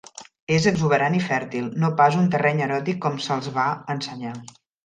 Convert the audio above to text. És exuberant i fèrtil, no pas un terreny eròtic com se'ls va ensenyar.